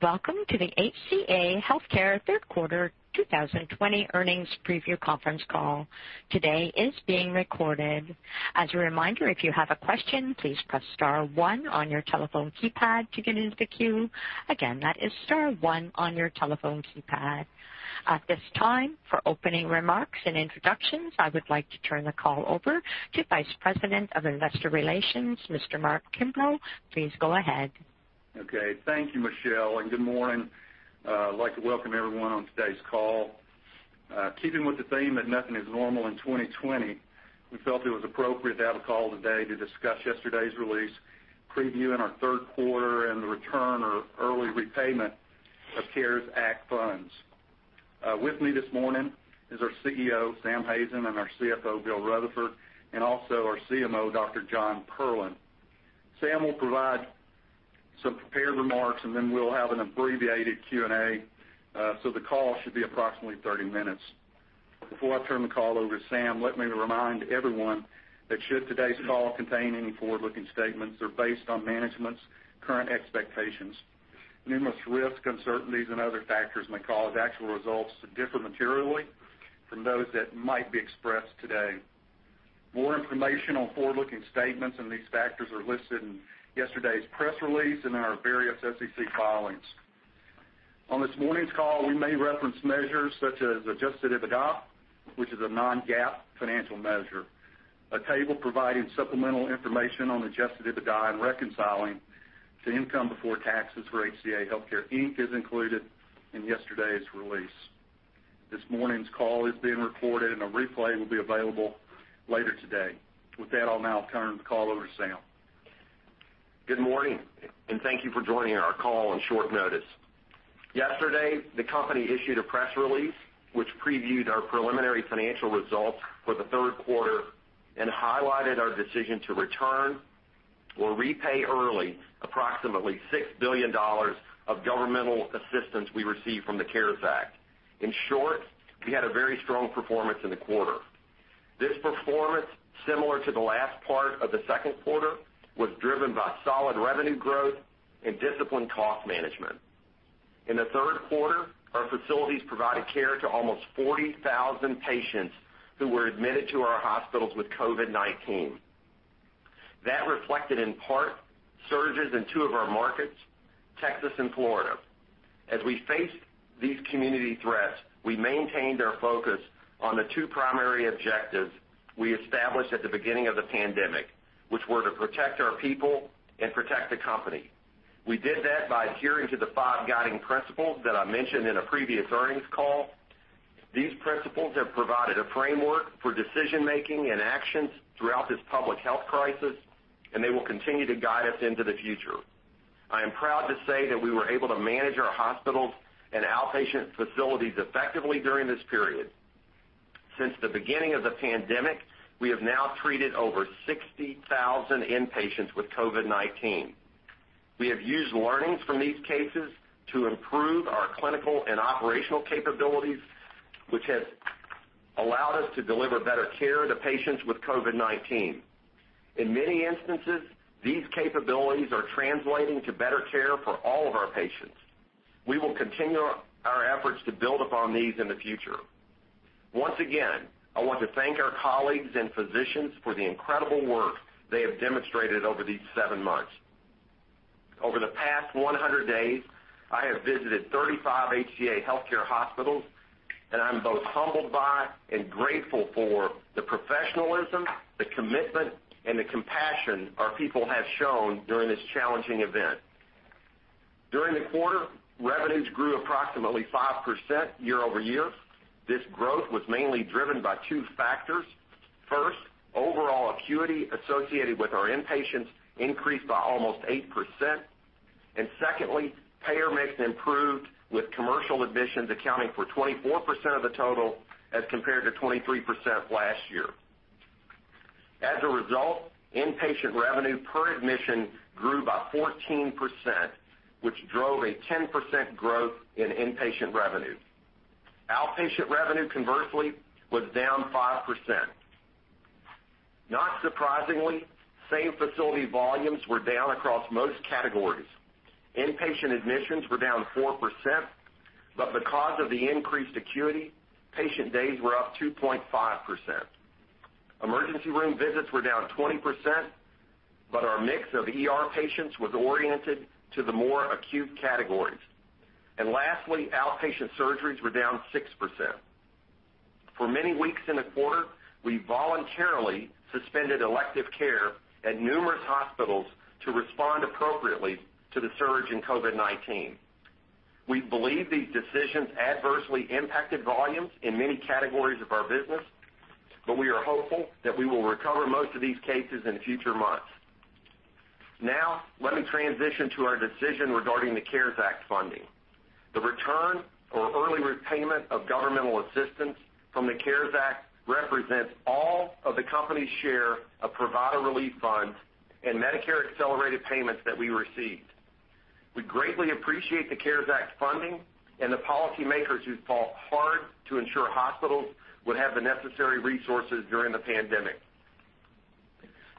Welcome to the HCA Healthcare Third Quarter 2020 Earnings Preview Conference Call. Today is being recorded. As a reminder, if you have a question, please press star one on your telephone keypad to get into the queue. Again, that is star one on your telephone keypad. At this time, for opening remarks and introductions, I would like to turn the call over to Vice President of Investor Relations, Mr. Mark Kimbrough. Please go ahead. Thank you, Michelle, and good morning. I'd like to welcome everyone on today's call. Keeping with the theme that nothing is normal in 2020, we felt it was appropriate to have a call today to discuss yesterday's release previewing our third quarter and the return or early repayment of CARES Act funds. With me this morning is our CEO, Sam Hazen, and our CFO, Bill Rutherford, and also our CMO, Dr. Jon Perlin. Sam will provide some prepared remarks, and then we'll have an abbreviated Q&A. The call should be approximately 30 minutes. Before I turn the call over to Sam, let me remind everyone that should today's call contain any forward-looking statements are based on management's current expectations. Numerous risks, uncertainties, and other factors may cause actual results to differ materially from those that might be expressed today. More information on forward-looking statements and these factors are listed in yesterday's press release and in our various SEC filings. On this morning's call, we may reference measures such as adjusted EBITDA, which is a non-GAAP financial measure. A table providing supplemental information on adjusted EBITDA and reconciling to income before taxes for HCA Healthcare, Inc. is included in yesterday's release. This morning's call is being recorded, and a replay will be available later today. With that, I'll now turn the call over to Sam. Good morning, thank you for joining our call on short notice. Yesterday, the company issued a press release, which previewed our preliminary financial results for the third quarter and highlighted our decision to return or repay early approximately $6 billion of governmental assistance we received from the CARES Act. In short, we had a very strong performance in the quarter. This performance, similar to the last part of the second quarter, was driven by solid revenue growth and disciplined cost management. In the third quarter, our facilities provided care to almost 40,000 patients who were admitted to our hospitals with COVID-19. That reflected in part surges in two of our markets, Texas and Florida. As we faced these community threats, we maintained our focus on the two primary objectives we established at the beginning of the pandemic, which were to protect our people and protect the company. We did that by adhering to the five guiding principles that I mentioned in a previous earnings call. These principles have provided a framework for decision-making and actions throughout this public health crisis, and they will continue to guide us into the future. I am proud to say that we were able to manage our hospitals and outpatient facilities effectively during this period. Since the beginning of the pandemic, we have now treated over 60,000 inpatients with COVID-19. We have used learnings from these cases to improve our clinical and operational capabilities, which has allowed us to deliver better care to patients with COVID-19. In many instances, these capabilities are translating to better care for all of our patients. We will continue our efforts to build upon these in the future. Once again, I want to thank our colleagues and physicians for the incredible work they have demonstrated over these seven months. Over the past 100 days, I have visited 35 HCA Healthcare hospitals, and I'm both humbled by and grateful for the professionalism, the commitment, and the compassion our people have shown during this challenging event. During the quarter, revenues grew approximately 5% year-over-year. This growth was mainly driven by two factors. First, overall acuity associated with our inpatients increased by almost 8%, and secondly, payer mix improved with commercial admissions accounting for 24% of the total as compared to 23% last year. As a result, inpatient revenue per admission grew by 14%, which drove a 10% growth in inpatient revenue. Outpatient revenue, conversely, was down 5%. Not surprisingly, same-facility volumes were down across most categories. Inpatient admissions were down 4%, but because of the increased acuity, patient days were up 2.5%. Emergency room visits were down 20%, but our mix of ER patients was oriented to the more acute categories. Lastly, outpatient surgeries were down 6%. For many weeks in the quarter, we voluntarily suspended elective care at numerous hospitals to respond appropriately to the surge in COVID-19. We believe these decisions adversely impacted volumes in many categories of our business, but we are hopeful that we will recover most of these cases in future months. Let me transition to our decision regarding the CARES Act funding. The return or early repayment of governmental assistance from the CARES Act represents all of the company's share of provider relief funds and Medicare accelerated payments that we received. We greatly appreciate the CARES Act funding and the policymakers who fought hard to ensure hospitals would have the necessary resources during the pandemic.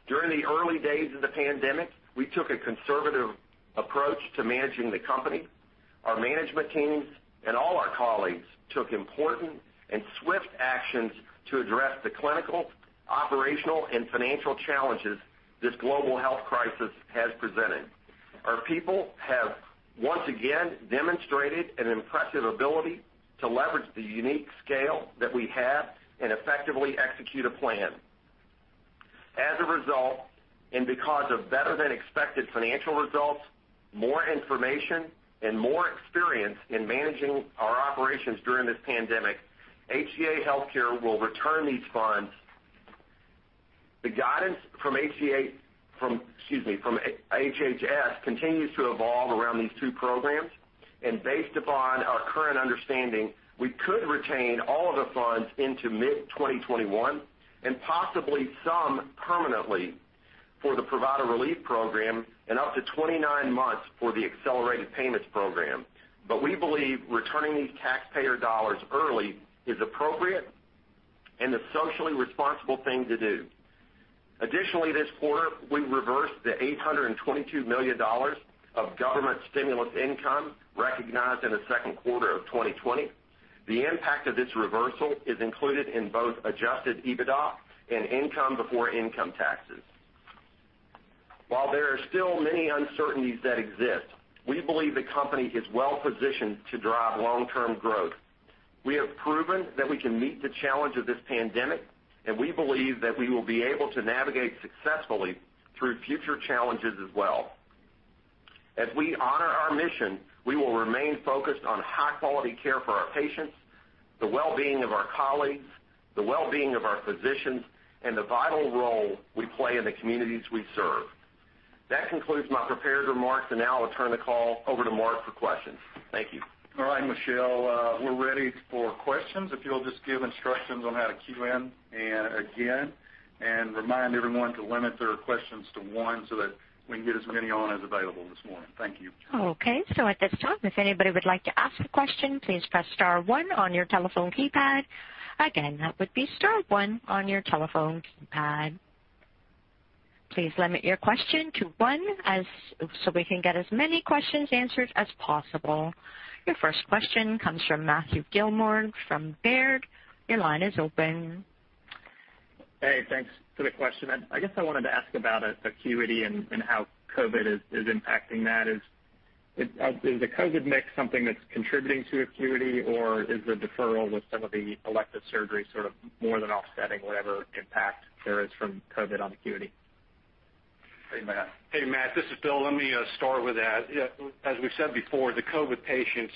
During the early days of the pandemic, we took a conservative approach to managing the company. Our management teams and all our colleagues took important and swift actions to address the clinical, operational, and financial challenges this global health crisis has presented. Our people have, once again, demonstrated an impressive ability to leverage the unique scale that we have and effectively execute a plan. As a result, and because of better than expected financial results, more information, and more experience in managing our operations during this pandemic, HCA Healthcare will return these funds. The guidance from HHS continues to evolve around these two programs, and based upon our current understanding, we could retain all of the funds into mid-2021, and possibly some permanently for the Provider Relief Program, and up to 29 months for the Accelerated Payments program. We believe returning these taxpayer dollars early is appropriate and the socially responsible thing to do. Additionally, this quarter, we reversed the $822 million of government stimulus income recognized in the second quarter of 2020. The impact of this reversal is included in both adjusted EBITDA and income before income taxes. While there are still many uncertainties that exist, we believe the company is well-positioned to drive long-term growth. We have proven that we can meet the challenge of this pandemic, we believe that we will be able to navigate successfully through future challenges as well. As we honor our mission, we will remain focused on high-quality care for our patients, the well-being of our colleagues, the well-being of our physicians, and the vital role we play in the communities we serve. That concludes my prepared remarks. Now I'll turn the call over to Mark for questions. Thank you. All right, Michelle, we're ready for questions. If you'll just give instructions on how to queue in and again, and remind everyone to limit their questions to one so that we can get as many on as available this morning. Thank you. Okay. At this time, if anybody would like to ask a question, please press star one on your telephone keypad. Again, that would be star one on your telephone keypad. Please limit your question to one so we can get as many questions answered as possible. Your first question comes from Matthew Gillmor from Baird. Your line is open. Hey, thanks for the question. I guess I wanted to ask about acuity and how COVID is impacting that. Is the COVID mix something that's contributing to acuity, or is the deferral with some of the elective surgery sort of more than offsetting whatever impact there is from COVID on acuity? Hey, Matt. Matt, this is Bill. Let me start with that. As we've said before, the COVID patients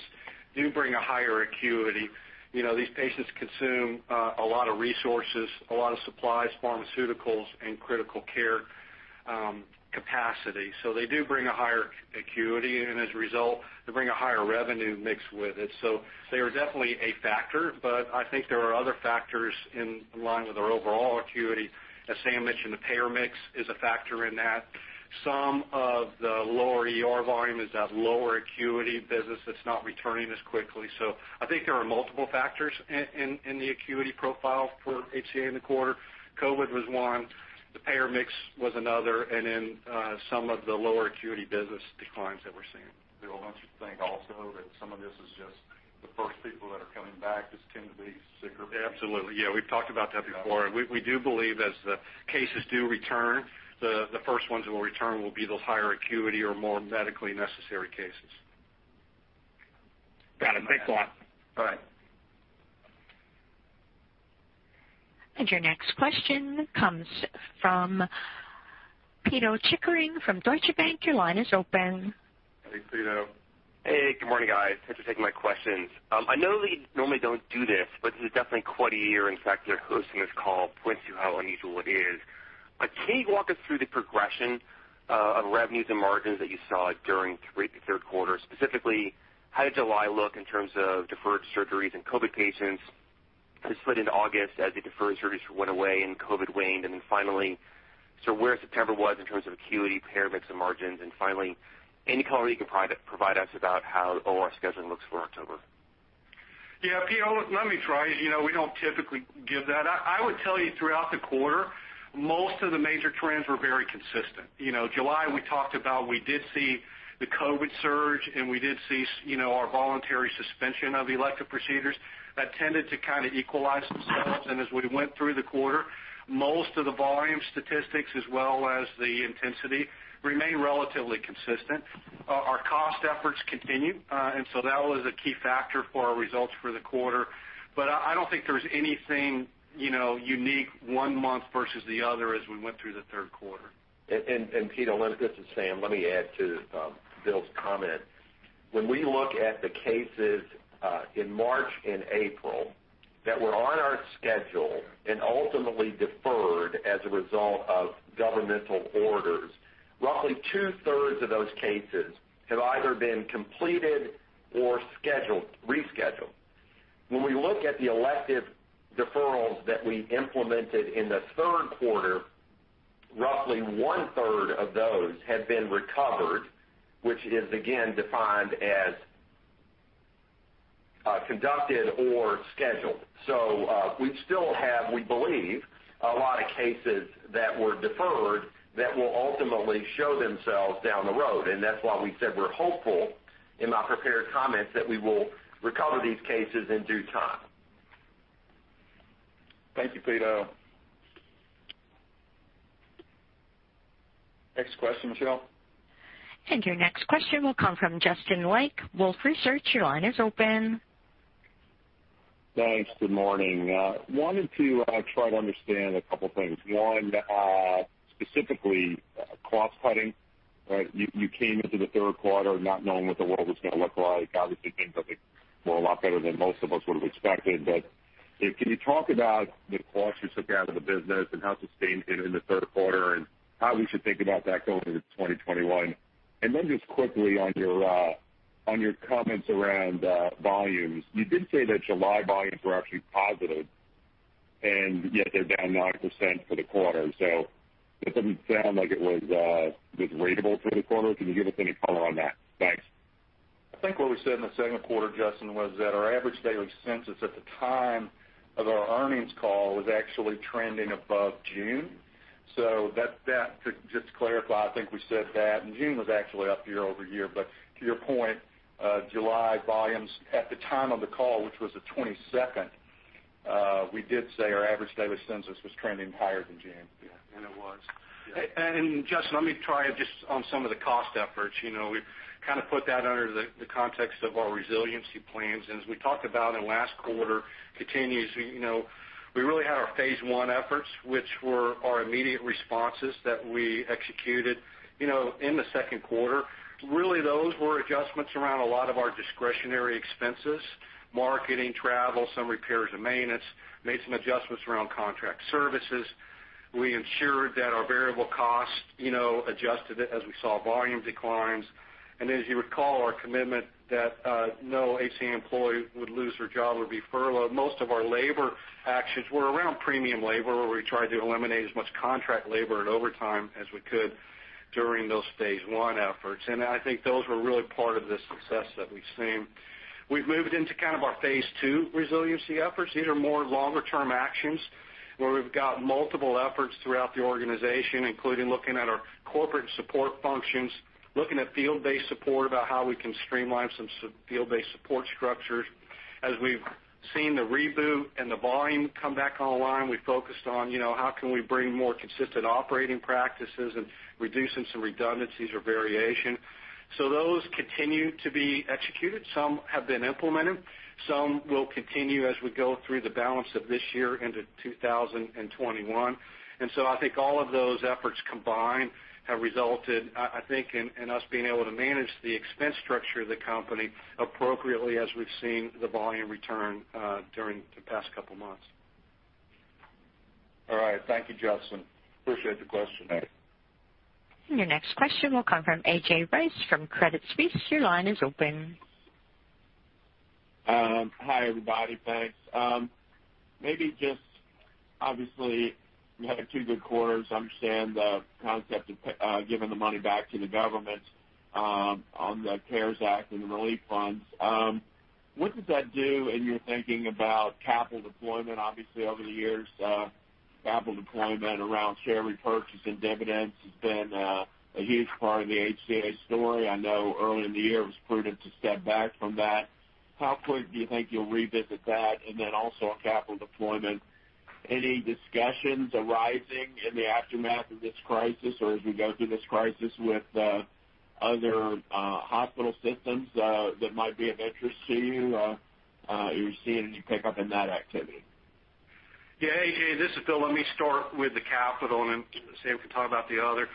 do bring a higher acuity. These patients consume a lot of resources, a lot of supplies, pharmaceuticals, and critical care capacity. They do bring a higher acuity, and as a result, they bring a higher revenue mix with it. They are definitely a factor, but I think there are other factors in line with our overall acuity. As Sam mentioned, the payer mix is a factor in that. Some of the lower ER volume is that lower acuity business that's not returning as quickly. I think there are multiple factors in the acuity profile for HCA in the quarter. COVID was one. The payer mix was another. Some of the lower acuity business declines that we're seeing. Bill, don't you think also that some of this is just the first people that are coming back just tend to be sicker? Absolutely. Yeah, we've talked about that before. Yeah. We do believe as the cases do return, the first ones that will return will be the higher acuity or more medically necessary cases. Got it. Thanks a lot. All right. Your next question comes from Pito Chickering from Deutsche Bank. Your line is open. Hey, Pito. Hey, good morning, guys. Thanks for taking my questions. I know that you normally don't do this, but this is definitely quite a year. In fact, your hosting this call points to how unusual it is. Can you walk us through the progression of revenues and margins that you saw during the third quarter, specifically how did July look in terms of deferred surgeries and COVID patients? The split in August as the deferred surgeries went away and COVID waned, and then finally, so where September was in terms of acuity, payer mix, and margins, and finally, any color you can provide us about how the OR scheduling looks for October? Yeah, Pito, let me try. We don't typically give that. I would tell you throughout the quarter, most of the major trends were very consistent. July, we talked about we did see the COVID-19 surge, and we did see our voluntary suspension of elective procedures. That tended to kind of equalize themselves, and as we went through the quarter, most of the volume statistics as well as the intensity remained relatively consistent. Our cost efforts continued, and so that was a key factor for our results for the quarter. I don't think there's anything unique one month versus the other as we went through the third quarter. Pito, this is Sam. Let me add to Bill's comment. When we look at the cases in March and April that were on our schedule and ultimately deferred as a result of governmental orders, roughly 2/3 of those cases have either been completed or scheduled, rescheduled. When we look at the elective deferrals that we implemented in the third quarter, roughly 1/3 of those have been recovered, which is again defined as. conducted or scheduled. We still have, we believe, a lot of cases that were deferred that will ultimately show themselves down the road, and that's why we said we're hopeful in my prepared comments that we will recover these cases in due time. Thank you, Pito. Next question, Michelle. Your next question will come from Justin Lake, Wolfe Research. Your line is open. Thanks. Good morning. Wanted to try to understand a couple things. One, specifically, cost-cutting. You came into the third quarter not knowing what the world was going to look like. Obviously, things have gone a lot better than most of us would have expected. Can you talk about the costs you took out of the business and how sustained in the third quarter, and how we should think about that going into 2021? Just quickly on your comments around volumes. You did say that July volumes were actually positive, and yet they're down 9% for the quarter. That doesn't sound like it was ratable for the quarter. Can you give us any color on that? Thanks. I think what we said in the second quarter, Justin, was that our average daily census at the time of our earnings call was actually trending above June. Just to clarify, I think we said that. June was actually up year-over-year. To your point, July volumes at the time of the call, which was the 22nd, we did say our average daily census was trending higher than June. Yeah. It was. Yeah. Justin, let me try just on some of the cost efforts. We've kind of put that under the context of our resiliency plans. As we talked about in last quarter, continues, we really had our phase I efforts, which were our immediate responses that we executed in the second quarter. Really, those were adjustments around a lot of our discretionary expenses, marketing, travel, some repairs and maintenance, made some adjustments around contract services. We ensured that our variable costs adjusted as we saw volume declines. As you recall, our commitment that no HCA employee would lose their job or be furloughed. Most of our labor actions were around premium labor, where we tried to eliminate as much contract labor and overtime as we could during those phase I efforts. I think those were really part of the success that we've seen. We've moved into kind of our phase II resiliency efforts. These are more longer-term actions, where we've got multiple efforts throughout the organization, including looking at our corporate support functions, looking at field-based support about how we can streamline some field-based support structures. As we've seen the reboot and the volume come back online, we focused on how can we bring more consistent operating practices and reducing some redundancies or variation. Those continue to be executed. Some have been implemented. Some will continue as we go through the balance of this year into 2021. I think all of those efforts combined have resulted, I think, in us being able to manage the expense structure of the company appropriately as we've seen the volume return during the past couple of months. All right. Thank you, Justin. Appreciate the question. Your next question will come from A.J. Rice from Credit Suisse. Your line is open. Hi, everybody. Thanks. Obviously, you had two good quarters. I understand the concept of giving the money back to the government on the CARES Act and the relief funds. What does that do in your thinking about capital deployment? Obviously, over the years, capital deployment around share repurchase and dividends has been a huge part of the HCA story. I know early in the year, it was prudent to step back from that. How quickly do you think you'll revisit that? Then also on capital deployment, any discussions arising in the aftermath of this crisis or as we go through this crisis with other hospital systems that might be of interest to you? Are you seeing any pickup in that activity? Yeah, A.J., this is Bill. Let me start with the capital, and then Sam can talk about the other.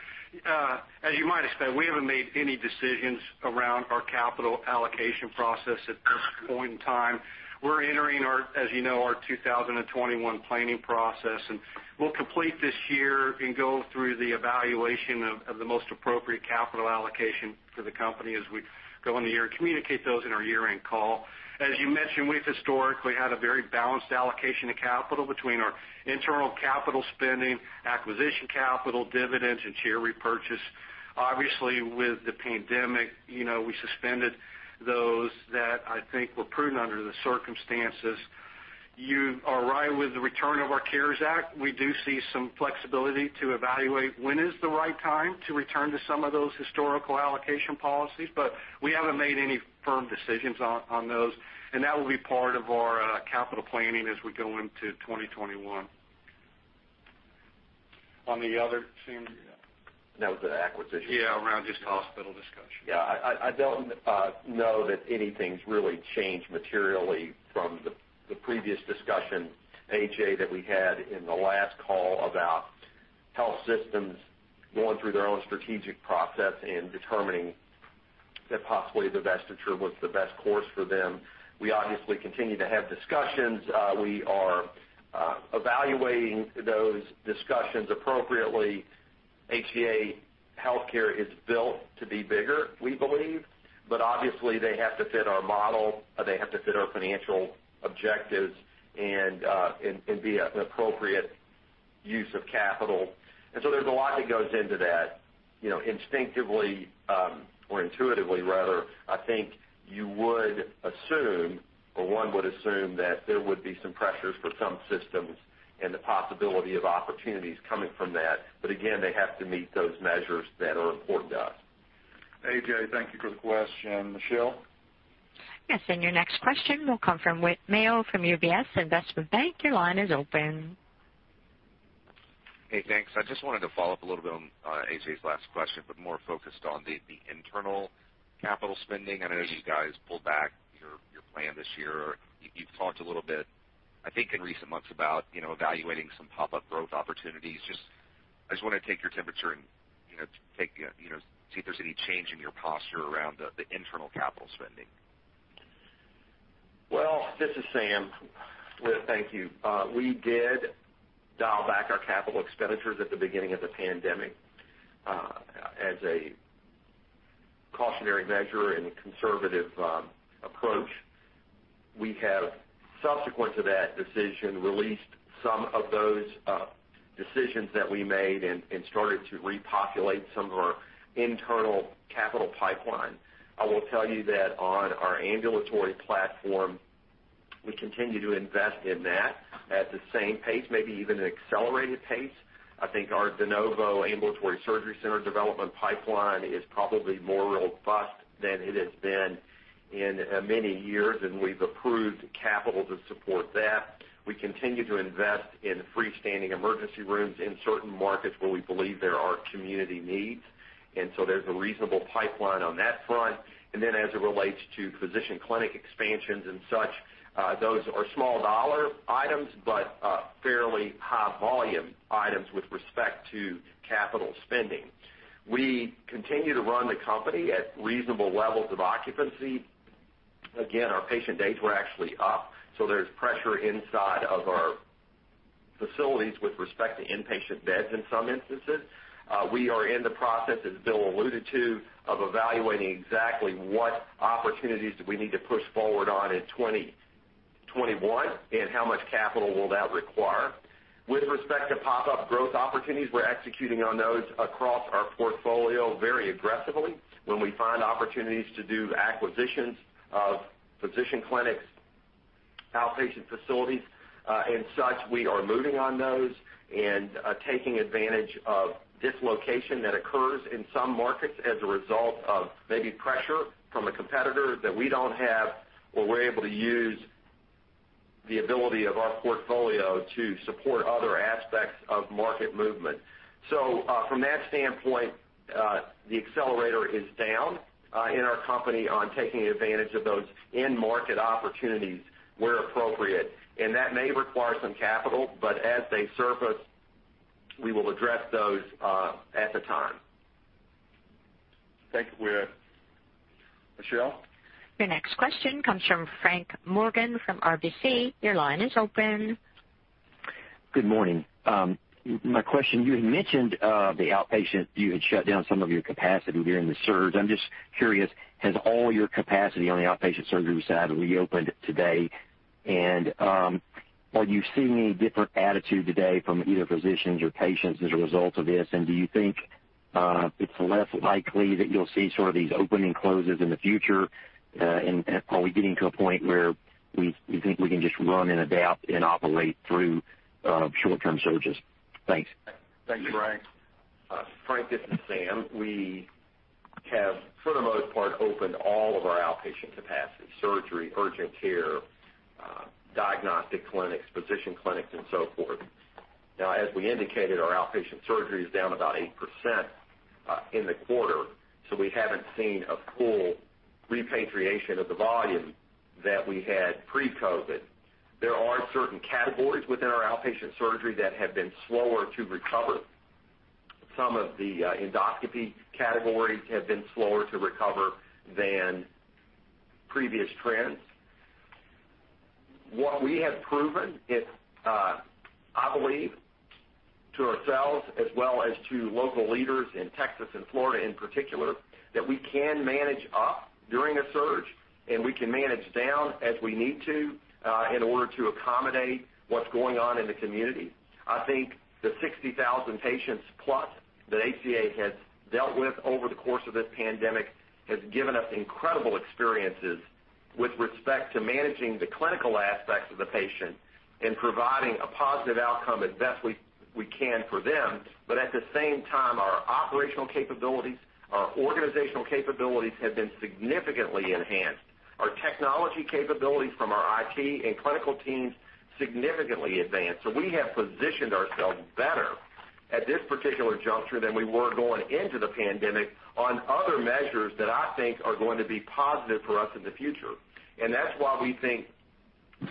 As you might expect, we haven't made any decisions around our capital allocation process at this point in time. We're entering our, as you know, our 2021 planning process, and we'll complete this year and go through the evaluation of the most appropriate capital allocation for the company as we go in the year and communicate those in our year-end call. As you mentioned, we've historically had a very balanced allocation of capital between our internal capital spending, acquisition capital, dividends, and share repurchase. Obviously, with the pandemic, we suspended those that I think were prudent under the circumstances. You are right with the return of our CARES Act. We do see some flexibility to evaluate when is the right time to return to some of those historical allocation policies, but we haven't made any firm decisions on those, and that will be part of our capital planning as we go into 2021. On the other, Sam? That was the acquisition. Yeah, around just hospital discussion. Yeah. I don't know that anything's really changed materially from the previous discussion, A.J., that we had in the last call about health systems going through their own strategic process and determining that possibly divestiture was the best course for them. We obviously continue to have discussions. We are evaluating those discussions appropriately. HCA Healthcare is built to be bigger, we believe. Obviously, they have to fit our model, they have to fit our financial objectives, and be an appropriate Use of capital. There's a lot that goes into that. Instinctively, or intuitively rather, I think you would assume, or one would assume that there would be some pressures for some systems and the possibility of opportunities coming from that. Again, they have to meet those measures that are important to us. A.J., thank you for the question. Michelle? Yes. Your next question will come from Whit Mayo from UBS Investment Bank. Your line is open. Hey, thanks. I just wanted to follow up a little bit on A.J.'s last question, but more focused on the internal capital spending. I know you guys pulled back your plan this year. You've talked a little bit, I think, in recent months about evaluating some pop-up growth opportunities. I just want to take your temperature and see if there's any change in your posture around the internal capital spending. Well, this is Sam Hazen. Whit, thank you. We did dial back our capital expenditures at the beginning of the pandemic as a cautionary measure and a conservative approach. We have, subsequent to that decision, released some of those decisions that we made and started to repopulate some of our internal capital pipeline. I will tell you that on our ambulatory platform, we continue to invest in that at the same pace, maybe even an accelerated pace. I think our de novo ambulatory surgery center development pipeline is probably more robust than it has been in many years, and we've approved capital to support that. We continue to invest in freestanding emergency rooms in certain markets where we believe there are community needs. There's a reasonable pipeline on that front. As it relates to physician clinic expansions and such, those are small dollar items, but fairly high volume items with respect to capital spending. We continue to run the company at reasonable levels of occupancy. Again, our patient days were actually up, so there's pressure inside of our facilities with respect to inpatient beds in some instances. We are in the process, as Bill alluded to, of evaluating exactly what opportunities do we need to push forward on in 2021, and how much capital will that require. With respect to pop-up growth opportunities, we're executing on those across our portfolio very aggressively. When we find opportunities to do acquisitions of physician clinics, outpatient facilities, and such, we are moving on those and taking advantage of dislocation that occurs in some markets as a result of maybe pressure from a competitor that we don't have, or we're able to use the ability of our portfolio to support other aspects of market movement. From that standpoint, the accelerator is down in our company on taking advantage of those end market opportunities where appropriate, and that may require some capital, but as they surface, we will address those at the time. Thank you, Whit. Michelle? Your next question comes from Frank Morgan from RBC. Your line is open. Good morning. My question, you had mentioned the outpatient, you had shut down some of your capacity during the surge. I'm just curious, has all your capacity on the outpatient surgery side reopened today? Are you seeing a different attitude today from either physicians or patients as a result of this? Do you think it's less likely that you'll see sort of these open and closes in the future? Are we getting to a point where we think we can just run and adapt and operate through short-term surges? Thanks. Thanks, Frank. Frank, this is Sam. We have, for the most part, opened all of our outpatient capacity, surgery, urgent care, diagnostic clinics, physician clinics, and so forth. As we indicated, our outpatient surgery is down about 8% in the quarter, so we haven't seen a full repatriation of the volume that we had pre-COVID. There are certain categories within our outpatient surgery that have been slower to recover. Some of the endoscopy categories have been slower to recover than previous trends. What we have proven is, I believe, to ourselves as well as to local leaders in Texas and Florida in particular, that we can manage up during a surge, and we can manage down as we need to, in order to accommodate what's going on in the community. I think the 60,000 patients plus that HCA has dealt with over the course of this pandemic has given us incredible experiences with respect to managing the clinical aspects of the patient and providing a positive outcome as best we can for them. At the same time, our operational capabilities, our organizational capabilities have been significantly enhanced. Our technology capabilities from our IT and clinical teams significantly advanced. We have positioned ourselves better at this particular juncture than we were going into the pandemic on other measures that I think are going to be positive for us in the future. That's why we think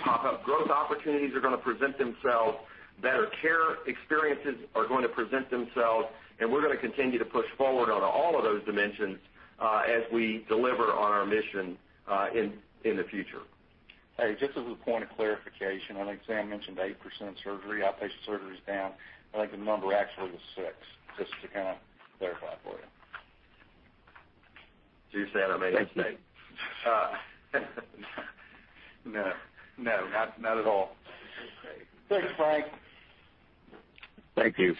pop-up growth opportunities are going to present themselves, better care experiences are going to present themselves, and we're going to continue to push forward on all of those dimensions as we deliver on our mission in the future. Hey, just as a point of clarification, I think Sam mentioned 8% of surgery, outpatient surgery is down. I think the number actually was six, just to kind of clarify for you. You're saying I made a mistake? No, not at all. Okay. Thanks, Frank. Thank you.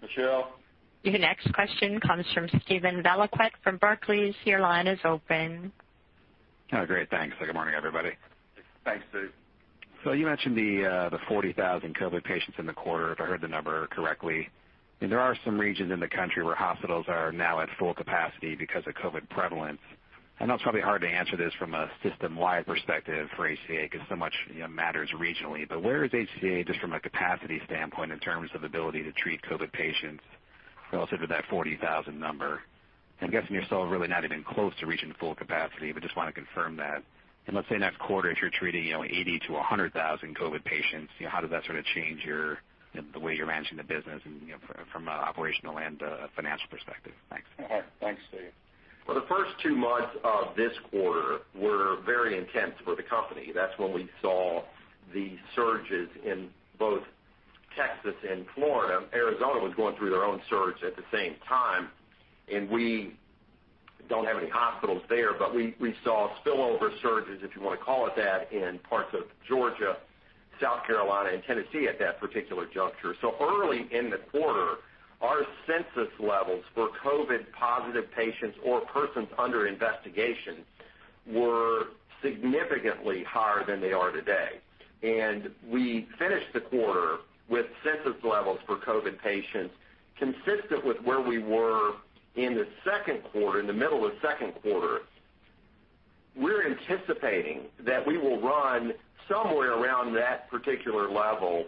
Michelle? Your next question comes from Steven Valiquette from Barclays. Your line is open. Oh, great. Thanks. Good morning, everybody. Thanks, Steve. You mentioned the 40,000 COVID patients in the quarter, if I heard the number correctly. There are some regions in the country where hospitals are now at full capacity because of COVID prevalence. I know it's probably hard to answer this from a system-wide perspective for HCA because so much matters regionally, but where is HCA, just from a capacity standpoint, in terms of ability to treat COVID patients relative to that 40,000 number? I'm guessing you're still really not even close to reaching full capacity, but just want to confirm that. Let's say next quarter, if you're treating 80,000 to 100,000 COVID patients, how does that sort of change the way you're managing the business and from an operational and financial perspective? Thanks. Okay. Thanks, Steve. Well, the first two months of this quarter were very intense for the company. That's when we saw the surges in both Texas and Florida. Arizona was going through their own surge at the same time, and we don't have any hospitals there, but we saw spillover surges, if you want to call it that, in parts of Georgia, South Carolina, and Tennessee at that particular juncture. Early in the quarter, our census levels for COVID-positive patients or persons under investigation were significantly higher than they are today. We finished the quarter with census levels for COVID patients consistent with where we were in the middle of the second quarter. We're anticipating that we will run somewhere around that particular level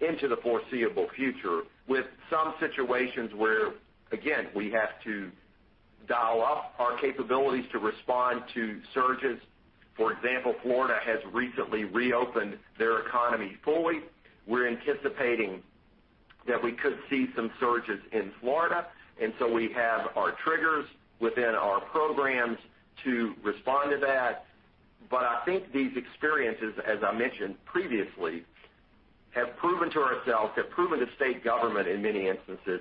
into the foreseeable future with some situations where, again, we have to dial up our capabilities to respond to surges. For example, Florida has recently reopened their economy fully. We're anticipating that we could see some surges in Florida, and so we have our triggers within our programs to respond to that. I think these experiences, as I mentioned previously, have proven to ourselves, have proven to state government in many instances,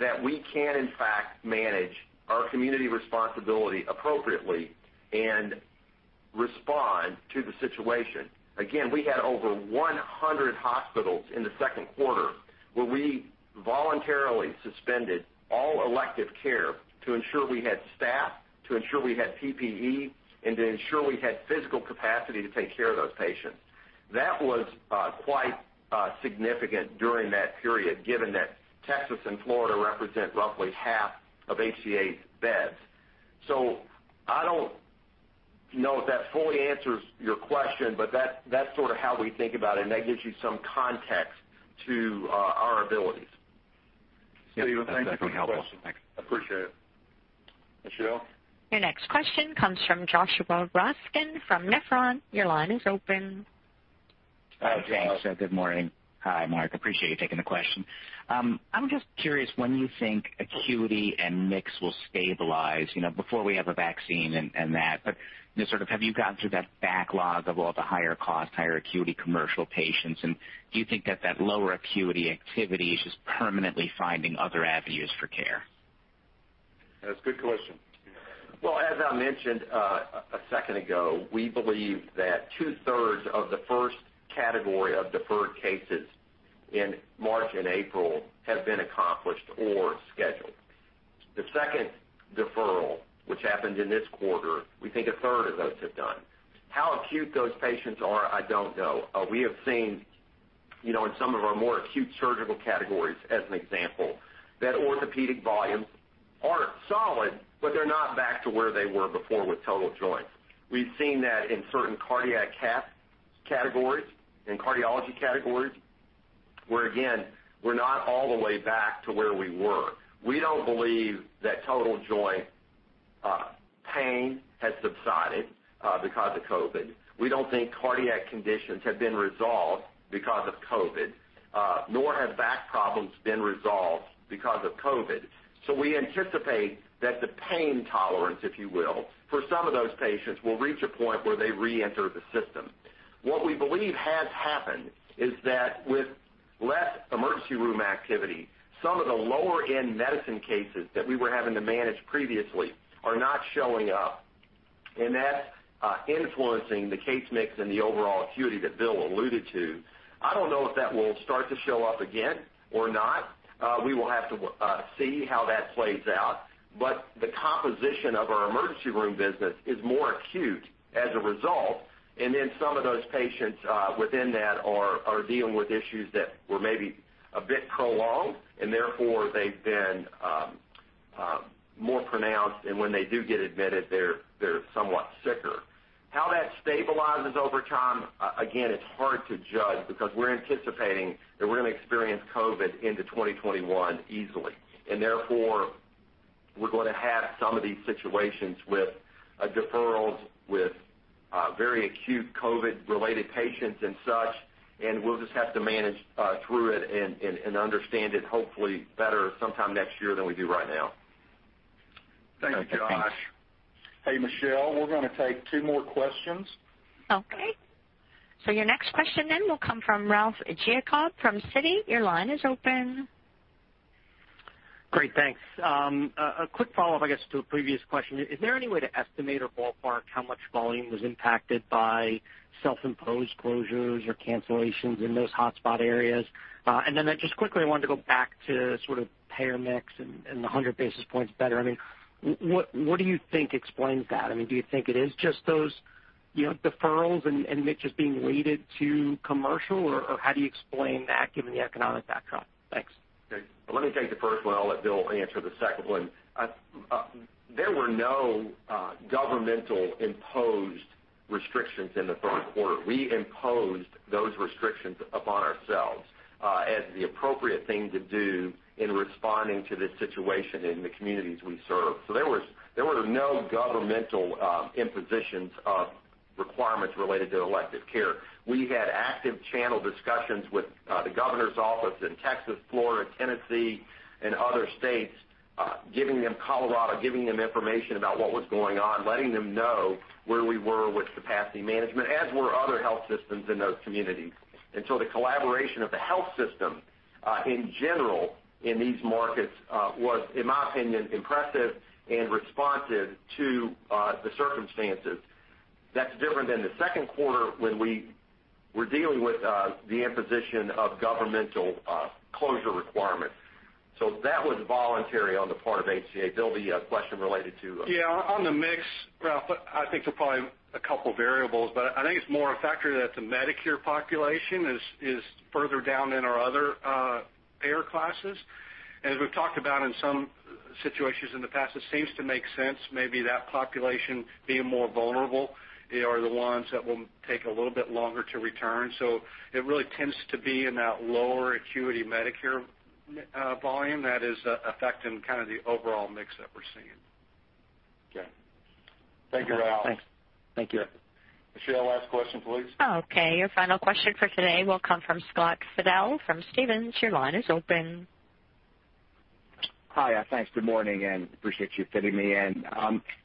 that we can in fact manage our community responsibility appropriately and respond to the situation. Again, we had over 100 hospitals in the second quarter where we voluntarily suspended all elective care to ensure we had staff, to ensure we had PPE, and to ensure we had physical capacity to take care of those patients. That was quite significant during that period, given that Texas and Florida represent roughly half of HCA's beds. I don't know if that fully answers your question, but that's sort of how we think about it, and that gives you some context to our abilities. Steven, thank you for the question. That's definitely helpful. Thanks. Appreciate it. Michelle? Your next question comes from Joshua Raskin from Nephron. Your line is open. Hi, Sam. Good morning. Hi, Mark. Appreciate you taking the question. I'm just curious when you think acuity and mix will stabilize, before we have a vaccine and that. just sort of have you gotten through that backlog of all the higher cost, higher acuity commercial patients, and do you think that that lower acuity activity is just permanently finding other avenues for care? That's a good question. Well, as I mentioned a second ago, we believe that 2/3 of the first category of deferred cases in March and April have been accomplished or scheduled. The second deferral, which happened in this quarter, we think a third of those have done. How acute those patients are, I don't know. We have seen, in some of our more acute surgical categories, as an example, that orthopedic volumes are solid, but they're not back to where they were before with total joints. We've seen that in certain cardiac categories, in cardiology categories, where again, we're not all the way back to where we were. We don't believe that total joint pain has subsided because of COVID. We don't think cardiac conditions have been resolved because of COVID, nor have back problems been resolved because of COVID. We anticipate that the pain tolerance, if you will, for some of those patients, will reach a point where they reenter the system. What we believe has happened is that with less emergency room activity, some of the lower-end medicine cases that we were having to manage previously are not showing up. That's influencing the case mix and the overall acuity that Bill alluded to. I don't know if that will start to show up again or not. We will have to see how that plays out. The composition of our emergency room business is more acute as a result, and then some of those patients within that are dealing with issues that were maybe a bit prolonged, and therefore they've been more pronounced, and when they do get admitted, they're somewhat sicker. How that stabilizes over time, again, it's hard to judge because we're anticipating that we're going to experience COVID into 2021 easily. Therefore, we're going to have some of these situations with deferrals, with very acute COVID-related patients and such, and we'll just have to manage through it and understand it hopefully better sometime next year than we do right now. Thank you, Josh. Hey, Michelle, we're going to take two more questions. Okay. Your next question then will come from Ralph Giacobbe from Citi. Your line is open. Great, thanks. A quick follow-up, I guess, to a previous question. Is there any way to estimate or ballpark how much volume was impacted by self-imposed closures or cancellations in those hotspot areas? just quickly, I wanted to go back to payer mix and the 100 basis points better. What do you think explains that? Do you think it is just those deferrals and mixes being weighted to commercial, or how do you explain that given the economic backdrop? Thanks. Okay. Let me take the first one. I'll let Bill answer the second one. There were no governmental imposed restrictions in the third quarter. We imposed those restrictions upon ourselves as the appropriate thing to do in responding to this situation in the communities we serve. There were no governmental impositions of requirements related to elective care. We had active channel discussions with the governor's office in Texas, Florida, Tennessee, and other states, giving them Colorado, giving them information about what was going on, letting them know where we were with capacity management, as were other health systems in those communities. The collaboration of the health system in general in these markets was, in my opinion, impressive and responsive to the circumstances. That's different than the second quarter when we were dealing with the imposition of governmental closure requirements. that was voluntary on the part of HCA. Bill, the question related to- Yeah, on the mix, Ralph, I think there are probably a couple of variables, but I think it's more a factor that the Medicare population is further down than our other payer classes. As we've talked about in some situations in the past, it seems to make sense, maybe that population being more vulnerable, they are the ones that will take a little bit longer to return. It really tends to be in that lower acuity Medicare volume that is affecting the overall mix that we're seeing. Okay. Thank you, Ralph. Thanks. Thank you. Michelle, last question, please. Okay, your final question for today will come from Scott Fidel from Stephens. Your line is open. Hi. Thanks. Good morning, and appreciate you fitting me in.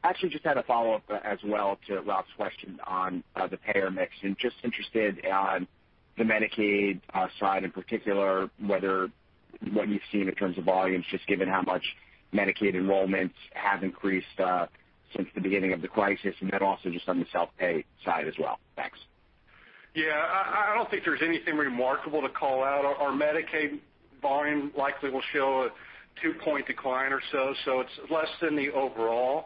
Actually, just had a follow-up as well to Ralph's question on the payer mix. Just interested on the Medicaid side, in particular, what you've seen in terms of volumes, just given how much Medicaid enrollments have increased since the beginning of the crisis, and then also just on the self-pay side as well. Thanks. Yeah, I don't think there's anything remarkable to call out. Our Medicaid volume likely will show a two-point decline or so it's less than the overall.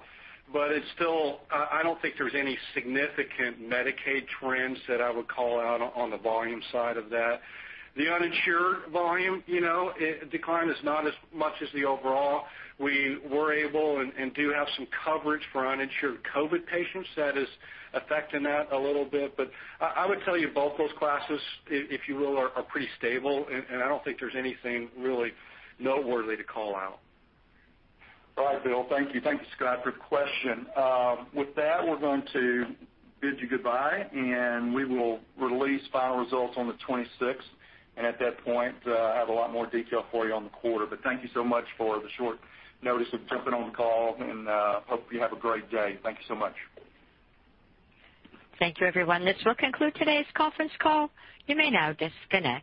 I don't think there's any significant Medicaid trends that I would call out on the volume side of that. The uninsured volume decline is not as much as the overall. We were able and do have some coverage for uninsured COVID patients. That is affecting that a little bit. I would tell you both those classes, if you will, are pretty stable, and I don't think there's anything really noteworthy to call out. All right, Bill. Thank you. Thank you, Scott, for the question. With that, we're going to bid you goodbye, and we will release final results on the 26th. At that point, I have a lot more detail for you on the quarter. Thank you so much for the short notice of jumping on the call, and hope you have a great day. Thank you so much. Thank you, everyone. This will conclude today's conference call. You may now disconnect.